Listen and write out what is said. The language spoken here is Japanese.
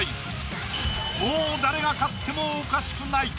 もう誰が勝ってもおかしくない！